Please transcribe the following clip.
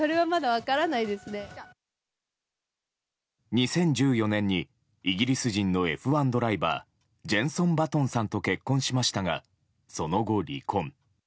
２０１４年にイギリス人のＦ１ドライバージェンソン・バトンさんと結婚しましたが、その後、離婚。